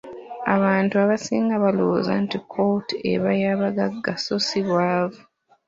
Abantu abasinga balowooza nti kkooti eba y'abagagga so si baavu.